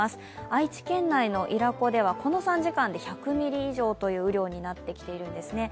愛知県内の伊良湖ではこの３時間で１００ミリ以上という雨量になっているんですね。